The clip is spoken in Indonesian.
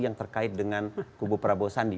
yang terkait dengan kubu prabowo sandi